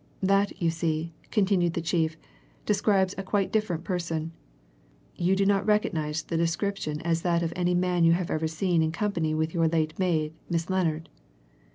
That, you see," continued the chief, "describes a quite different person. You do not recognize the description as that of any man you have ever seen in company with your late maid, Miss Lennard?"